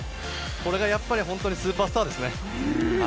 これがやっぱり本当にスーパースターですね。